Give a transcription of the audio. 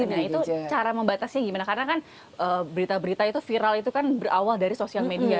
karena itu cara membatasnya gimana karena kan berita berita viral itu kan berawal dari sosial media